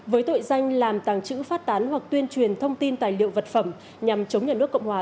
với tội danh làm tàng trữ phát tán hoặc tuyên truyền thông tin tài liệu vật phẩm nhằm chống nhà nước cộng hòa